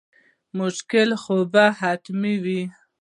مشکله خو باید حتما وي.